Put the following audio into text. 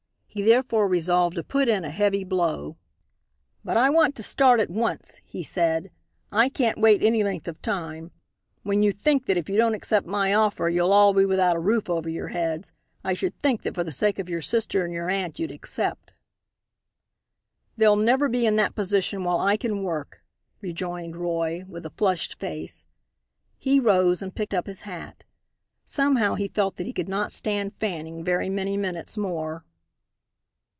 He therefore resolved to put in a heavy blow. "But I want to start at once," he said. "I can't wait any length of time. When you think that if you don't accept my offer you'll all be without a roof over your heads I should think that for the sake of your sister and your aunt you'd accept." "They'll never be in that position while I can work," rejoined Roy, with a flushed face. He rose and picked up his hat. Somehow he felt that he could not stand Fanning very many minutes more.